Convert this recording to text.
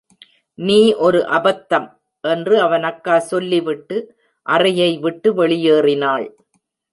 "நீ ஒரு அபத்தம்" என்று அவன் அக்கா சொல்லி விட்டு, அறையை விட்டு வெளியேறினாள்.